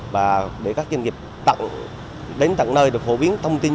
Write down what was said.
và để các doanh nghiệp đến tận nơi được phổ biến thông tin